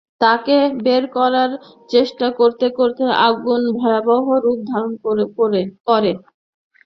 তাকে বের করার চেষ্টা করতে করতে আগুন ভয়াবহ রূপ ধারণ করে।